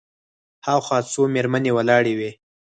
هاخوا څو مېرمنې ولاړې وې.